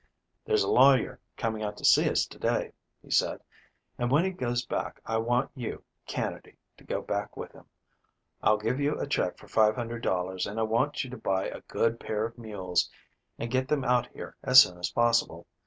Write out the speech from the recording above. "There's a lawyer coming out to see us to day," he said, "and when he goes back I want you, Canady, to go back with him. I'll give you a check for $500 and I want you to buy a good pair of mules and get them out here as soon as possible.